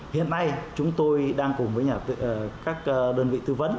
hiện nay chúng tôi đang cùng với các đơn vị tư vấn